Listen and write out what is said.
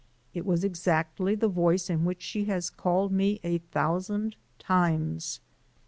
It was exactly the voice in which she has called me a thousand times.